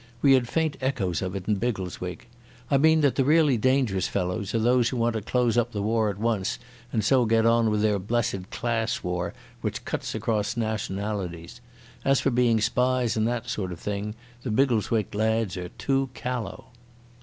We had faint echoes of it in Biggleswick. I mean that the really dangerous fellows are those who want to close up the war at once and so get on with their blessed class war, which cuts across nationalities. As for being spies and that sort of thing, the Biggleswick lads are too callow."